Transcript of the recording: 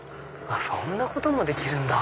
そんなこともできるんだ！